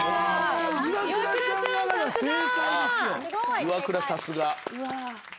イワクラさすが。